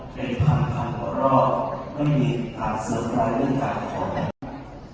เป็นทางทางของเราไม่มีถามสิฟะหรือจ่ายของเรา